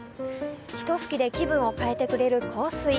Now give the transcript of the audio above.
ひとふきで気分を変えてくれる香水。